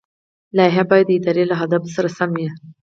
لایحه باید د ادارې له اهدافو سره سمه وي.